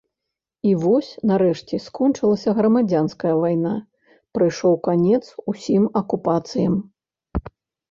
І вось, нарэшце, скончылася грамадзянская вайна, прыйшоў канец усім акупацыям.